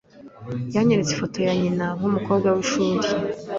Yanyeretse ifoto ya nyina nkumukobwa wishuri.